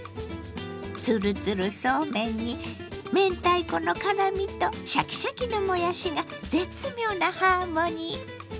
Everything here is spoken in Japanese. ツルツルそうめんに明太子の辛みとシャキシャキのもやしが絶妙なハーモニー。